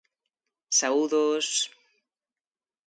Saúdos...